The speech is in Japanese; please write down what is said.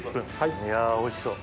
いやおいしそう。